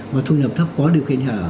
và thu nhập thấp có điều kiện nhà ở